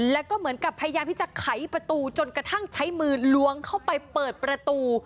แล้วก็เหมือนกับพยายามที่จะไขประตูจนกระทั่งใช้มือล้วงเข้าไปเปิดประตู